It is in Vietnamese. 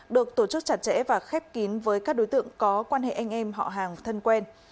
được tổ chức chặt chẽ và khép kín với các đối tượng có quan hệ anh em họ hàng thân quen